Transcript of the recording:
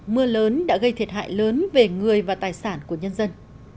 mưa lớn đã gây thiệt hại lớn về người và tài sản của nhân dân